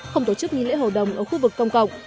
không tổ chức nghi lễ hầu đồng ở khu vực công cộng